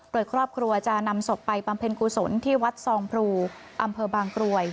โดยครอบครัวจะนำศพไปบำเพ็ญกุศลที่วัดซองพรูอำเภอบางกรวย